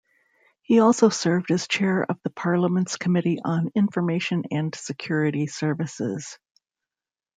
He also served as chair of the parliament's committee on Information and Security Services.